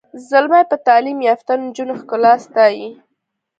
زلمي به د تعلیم یافته نجونو ښکلا ستایي.